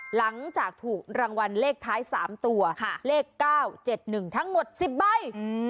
หลังจากถูกรางวัลเลขท้าย๓ตัวเลข๙๗๑ทั้งหมด๑๐ใบ